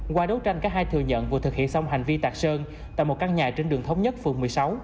qua đấu tranh các hai thừa nhận vừa thực hiện xong hành vi tạc sơn tại một căn nhà trên đường thống nhất phường một mươi sáu